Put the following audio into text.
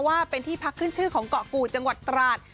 ว่าเป็นที่พักขึ้นชื่อของเกาะกู่จังหวัดตราด